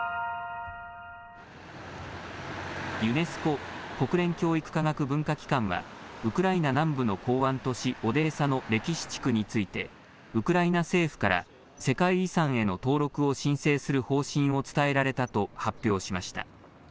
ユネスコ・国連教育科学文化機関はウクライナ南部の港湾都市オデーサの歴史地区についてウクライナ政府から世界遺産への登録を申請する方針を伝えられたと発表しました。